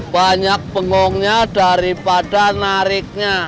banyak pengongnya daripada nariknya